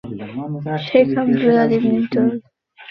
গৌতম বুদ্ধ এই মতবাদ সম্বন্ধে তার শিষ্যদের আলোচনা করতেই নিষেধ করেছিলেন।